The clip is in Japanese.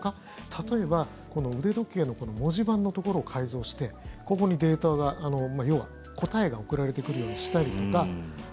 例えば、腕時計の文字盤のところを改造してここにデータが要は答えが送られてくるようにしたりとか。